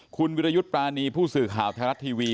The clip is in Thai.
คุณวิรยุทธ์ปรานีผู้สื่อข่าวไทยรัฐทีวี